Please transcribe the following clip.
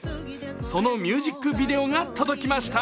そのミュージックビデオが届きました。